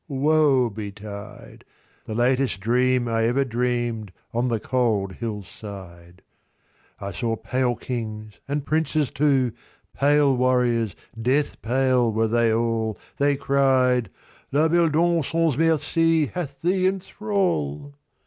woe betide! The latest dream I ever dream'dOn the cold hill's side.X.I saw pale kings and princes too, Pale warriors, death pale were they all; They cried—"La Belle Dame sans MerciHath thee in thrall!"